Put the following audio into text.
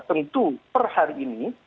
tentu per hari ini